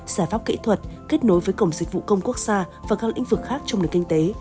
giải pháp kỹ thuật kết nối với cổng dịch vụ công quốc gia và các lĩnh vực khác trong nền kinh tế